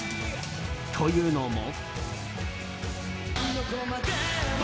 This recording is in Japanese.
というのも。